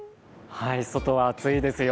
外は暑いですよ。